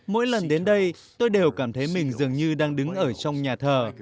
mỗi lần đến đây tôi đều cảm thấy mình dường như đang đứng ở trong nhà thờ